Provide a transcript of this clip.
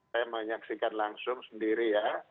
saya menyaksikan langsung sendiri ya